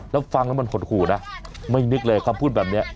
แล้วฟังแล้วมันหดหูนะไม่นึกเลยคำพูดแบบนี้